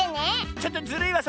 ちょっとずるいわそれ